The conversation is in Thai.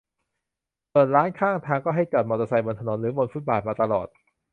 ส่วนร้านข้างทางก็ให้จอดมอไซค์บนถนนหรือบนฟุตบาทมาตลอด